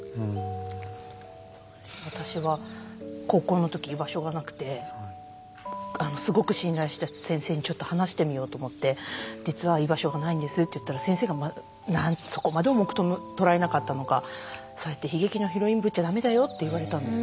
私は高校の時居場所がなくてすごく信頼していた先生に話してみようと思って実は居場所がないんですって言ったら、先生がそこまで重くとらえなかったのか悲劇のヒロインぶっちゃだめだよって言われたんです。